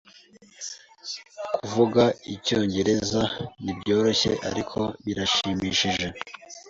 Kuvuga Icyongereza ntibyoroshye, ariko birashimishije.